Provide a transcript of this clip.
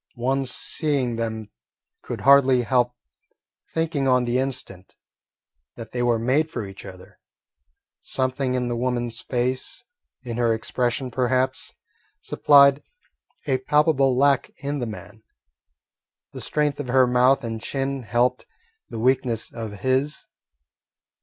One seeing them could hardly help thinking on the instant that they were made for each other. Something in the woman's face, in her expression perhaps, supplied a palpable lack in the man. The strength of her mouth and chin helped the weakness of his.